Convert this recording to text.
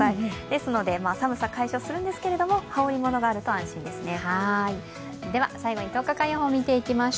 ですので、寒さ解消するんですけれども、羽織り物があると安心ですね。